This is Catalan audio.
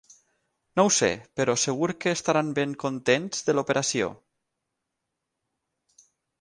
No ho sé, però segur que estaran ben contents de l’operació.